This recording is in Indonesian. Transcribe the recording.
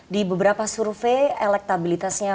di beberapa survei elektabilitasnya